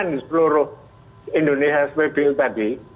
antingan di seluruh indonesia seperti bill tadi